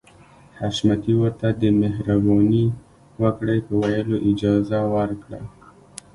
حشمتي ورته د مهرباني وکړئ په ويلو اجازه ورکړه.